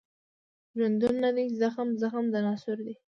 ژوندون نه دی زخم، زخم د ناسور دی